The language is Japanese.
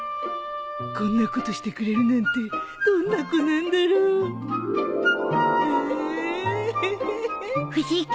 こんなことしてくれるなんてどんな子なんだろう藤木。